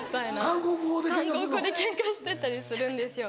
韓国語でケンカしてたりするんです。